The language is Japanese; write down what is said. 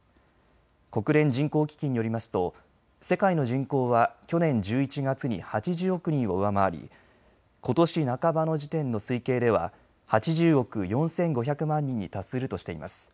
国連人口基金によりますと世界の人口は去年１１月に８０億人を上回りことし半ばの時点の推計では８０億４５００万人に達するとしています。